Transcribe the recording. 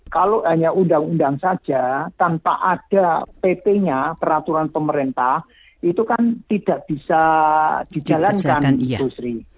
kalau hanya undang undang saja tanpa ada pp nya peraturan pemerintah itu kan tidak bisa dijalankan ibu sri